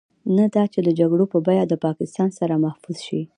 نه دا چې د جګړو په بيه د پاکستان سر محفوظ شي.